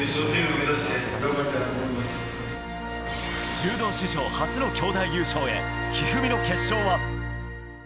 柔道史上初の兄妹優勝へ一二三の決勝は。